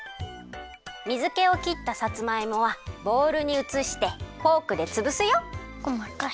水けをきったさつまいもはボウルにうつしてフォークでつぶすよ。